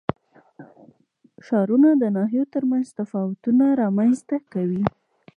ښارونه د ناحیو ترمنځ تفاوتونه رامنځ ته کوي.